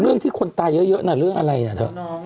เรื่องที่คนตายเยอะน่ะเรื่องอะไรอ่ะเถอะ